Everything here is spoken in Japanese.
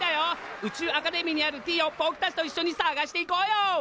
宇宙アカデミーにあるＴをぼくたちといっしょに探していこうよ！